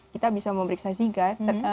kita bisa memeriksa zika